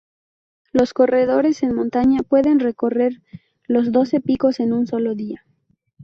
Los corredores en montaña pueden recorrer los doce picos en un solo día.